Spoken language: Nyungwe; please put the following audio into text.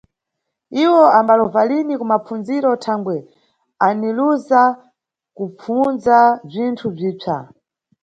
Iwo ambalova lini ku mapfundziro thangwe aniluza kupfundza bzinthu bzipsa